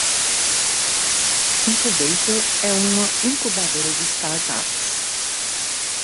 Incubator é uma incubadora de startups.